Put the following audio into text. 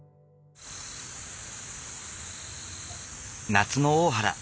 夏の大原。